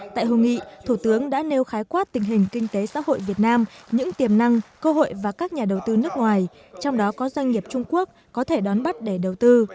tại hội nghị thủ tướng đã nêu khái quát tình hình kinh tế xã hội việt nam những tiềm năng cơ hội và các nhà đầu tư nước ngoài trong đó có doanh nghiệp trung quốc có thể đón bắt để đầu tư